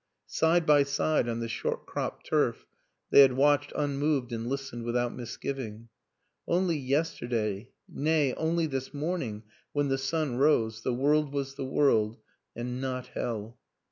Side by side on the short cropped turf they had watched unmoved and listened without misgiving. Only yesterday nay, only this morning when the sun rose the world was the world and not hell.